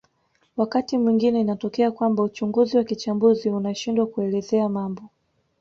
Wakati mwingine inatokea kwamba uchunguzi wa kichambuzi unashindwa kuelezea mambo